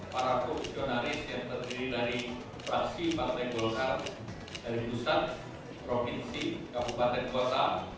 para profesionalis yang terdiri dari fraksi partai golkar dari pusat provinsi kabupaten kota